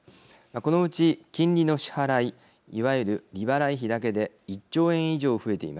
このうち金利の支払いいわゆる利払い費だけで１兆円以上増えています。